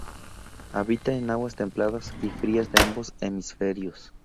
Habita en aguas templadas y frías de ambos hemisferios.